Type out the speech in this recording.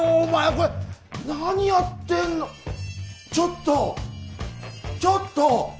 これ何やってんのちょっとちょっと！